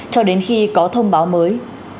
cho đến khi có thông báo mới